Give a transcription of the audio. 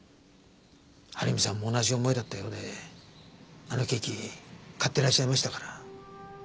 晴美さんも同じ思いだったようであのケーキ買ってらっしゃいましたから。